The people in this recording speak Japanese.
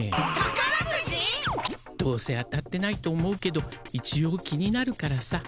どうせ当たってないと思うけどいちおう気になるからさ。